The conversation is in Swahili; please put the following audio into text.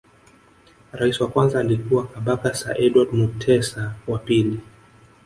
Rais wa kwanza alikuwa Kabaka Sir Edward Mutesa wa pili